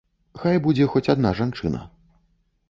Хай будзе хоць адна жанчына.